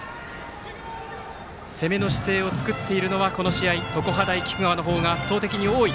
攻めの姿勢を作っているのはこの試合、常葉大菊川の方が圧倒的に多い。